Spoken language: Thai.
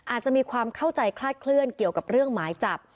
อาจจะมีความเข้าใจคลาดเคลื่อนเกี่ยวกับเรื่องหมายจับ